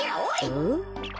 うん？